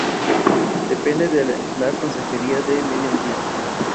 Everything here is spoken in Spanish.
Exploró las Filipinas y Macao, y llegó al estrecho que lleva su nombre.